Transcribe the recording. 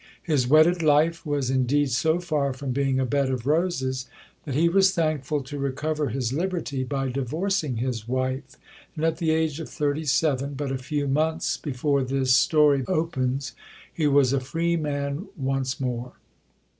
His wedded life was indeed so far from being a bed of roses that he was thankful to recover his liberty by divorcing his wife; and at the age of thirty seven, but a few months before this story opens, he was a free man once more.